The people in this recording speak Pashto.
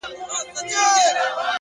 وخت د فرصتونو خاموشه ازموینوونکی دی.